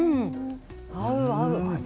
合う、合う。